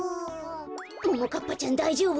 ももかっぱちゃんだいじょうぶ？